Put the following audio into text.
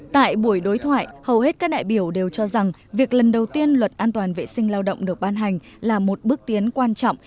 tại buổi đối thoại hầu hết các đại biểu đều cho rằng việc lần đầu tiên luật an toàn vệ sinh lao động được ban hành là một bước tiến quan trọng